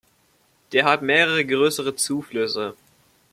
Der hat mehrere größere Zuflüsse.